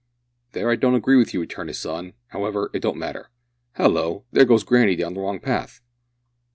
"There I don't agree with you," returned her son; "however, it don't matter Hallo! there goes granny down the wrong path!"